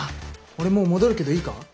俺もう戻るけどいいか？